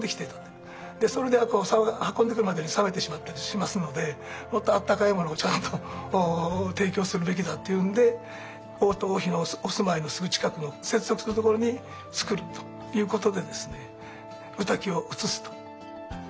でそれで運んでくるまでに冷めてしまったりしますのでもっと温かいものをちゃんと提供するべきだっていうんで王と王妃のお住まいのすぐ近くの接続するところにつくるということで御嶽を移すと。